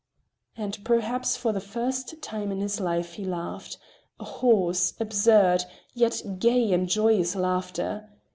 And perhaps for the first time in his life he laughed, a hoarse, absurd, yet gay and joyous laughter.